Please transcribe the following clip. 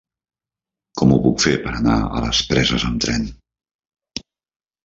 Com ho puc fer per anar a les Preses amb tren?